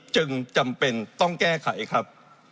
จึงจำเป็นต้องแก้ไขครับ